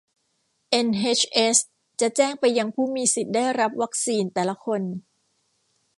เอ็นเฮชเอสจะแจ้งไปยังผู้มีสิทธิ์ได้รับวัคซีนแต่ละคน